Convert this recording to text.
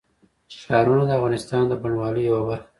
ښارونه د افغانستان د بڼوالۍ یوه برخه ده.